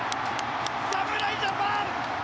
侍ジャパン！